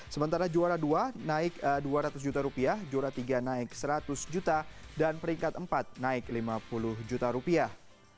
sementara juara dua naik dua ratus juta rupiah juara tiga naik seratus juta dan peringkat empat naik lima puluh juta rupiah